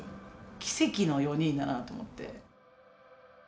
奇跡の４人だなと思って。